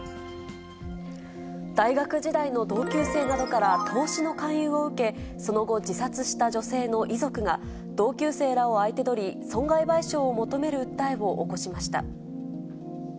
大学時代の同級生などから投資の勧誘を受け、その後、自殺した女性の遺族が、同級生らを相手取り、損害賠償を求める訴えを起こしました。